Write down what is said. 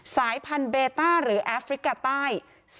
สายพันธุเบต้าหรือแอฟริกาใต้